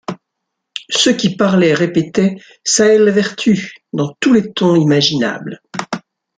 Ceux qui parlaient répétaient « saellvertu » dans tous les tons imaginables.